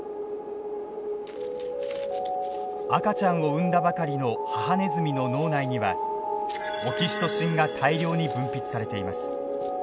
赤ちゃんを産んだばかりの母ネズミの脳内にはオキシトシンが大量に分泌されています。